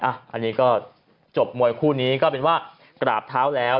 อันนี้ก็จบมวยคู่นี้ก็เป็นว่ากราบเท้าแล้ว